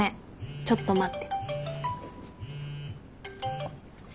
ちょっと待って。